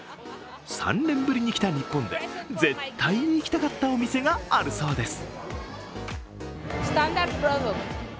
３年ぶりに来た日本で絶対に行きたかったお店があるそうです。